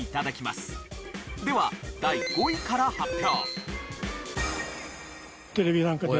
では第５位から発表。